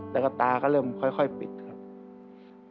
แล้วก็ตาก็เริ่มค่อยปิดครับ